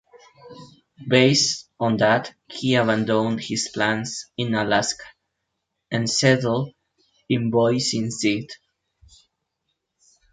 Based on that, he abandoned his plans in Alaska and settled in Boise instead.